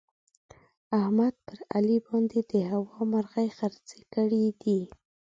احمد پر علي باندې د هوا مرغۍ خرڅې کړې دي.